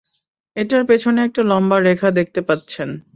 এটার পেছনে একটা লম্বা রেখা দেখতে পাচ্ছেন।